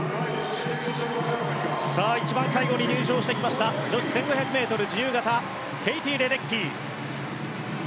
一番最後に入場してきました女子１５００ｍ自由形ケイティ・レデッキー。